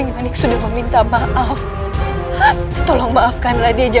padahal ibu enggak tahu